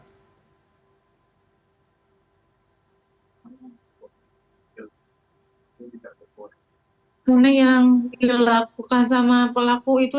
kemudian yang dilakukan sama pelaku itu